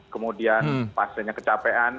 kemudian pasiennya kecapean